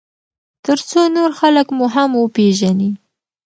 ترڅو نور خلک مو هم وپیژني.